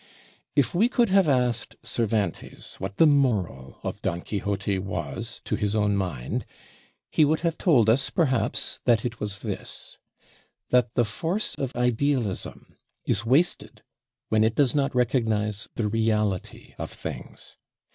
If we could have asked Cervantes what the moral of Don Quixote was to his own mind, he would have told us perhaps that it was this: that the force of idealism is wasted when it does not recognize the reality of things.